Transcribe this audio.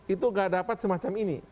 itu gak dapat semacam ini